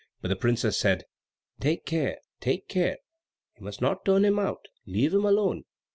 But the princess said, "Take care! take care! You must not turn him out. Leave him alone."